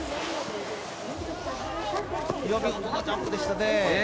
見事なジャンプでしたね。